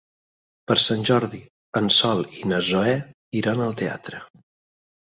Per Sant Jordi en Sol i na Zoè iran al teatre.